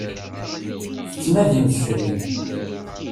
Tettnadimt fell-i.